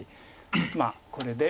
まあこれで。